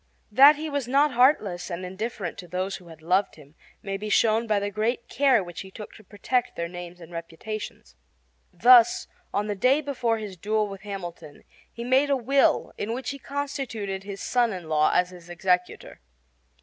That he was not heartless and indifferent to those who had loved him may be shown by the great care which he took to protect their names and reputations. Thus, on the day before his duel with Hamilton, he made a will in which he constituted his son in law as his executor.